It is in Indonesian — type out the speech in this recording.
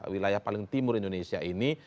wilayah paling timur indonesia ini